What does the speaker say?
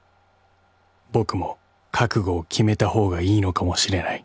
［僕も覚悟を決めた方がいいのかも知れない］